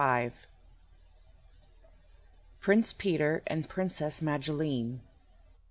PRINCE PETER AND PRINCESS MAGILENE.